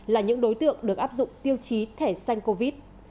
là những đối tượng được áp dụng tiêu chí thẻ xanh covid